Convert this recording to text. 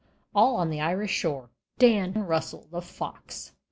All on the Irish Shore, Dan Russel the Fox.